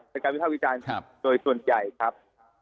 เป็นการวิทับวิจารณ์โดยส่วนใหญ่ครับ